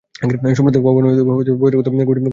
সম্প্রদায়ে কোনও বহিরাগত গোষ্ঠীর কোনও ব্যবস্থা নেই।